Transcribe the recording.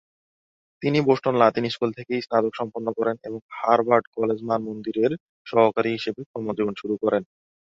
তিনি Boston Latin School থেকে স্নাতক সম্পন্ন করেন এবং হার্ভার্ড কলেজ মানমন্দিরের সহকারী হিসেবে কর্মজীবন শুরু করেন।